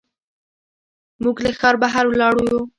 موږ له ښار بهر ولاړ یو.